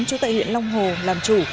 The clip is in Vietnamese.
chú tại huyện long hồ làm chủ